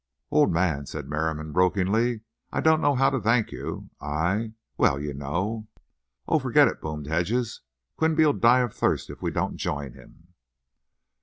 "Old man," said Merriam, brokenly, "I don't know how to thank you—I—well, you know—" "Oh, forget it," boomed Hedges. "Quinby'll die of thirst if we don't join him."